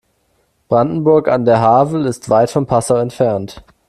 Brandenburg an der Havel ist weit von Passau entfernt